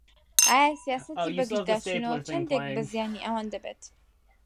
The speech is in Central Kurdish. ئایا سیاسەتی بەگژداچوونەوە چەندێک بە زیانی ئەوان دەبێت؟